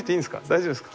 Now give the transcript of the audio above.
大丈夫ですか？